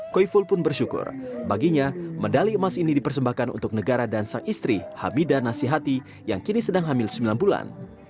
koyful pun bersyukur baginya medali emas ini dipersembahkan untuk negara dan sang istri habida nasihati yang kini sedang hamil sembilan bulan